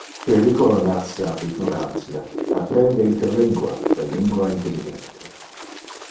Periculo nasce ab ignorantia. Apprende interlingua le lingua intelligente. 😉